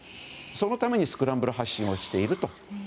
そのためにスクランブル発進をしていると。